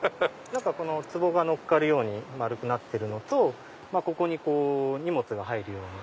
つぼが載っかるように丸くなってるのとここに荷物が入るように。